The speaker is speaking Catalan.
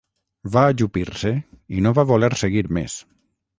Va ajupir-se i no va voler seguir més.